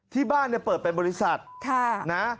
ที่บ้านพื้นเปิดเป็นบริศัทธ์